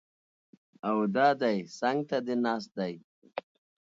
او دا دی څنګ ته دې ناست دی!